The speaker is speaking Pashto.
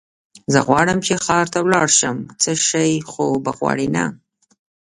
زه غواړم چې ښار ته ولاړ شم، څه شی خو به غواړې نه؟